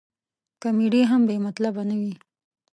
کمیډي هم بې مطلبه نه وي.